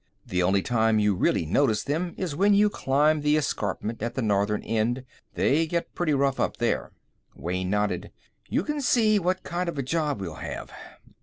"The only time you really notice them is when you climb the escarpment at the northern end. They get pretty rough up there." Wayne nodded. "You can see what kind of a job we'll have.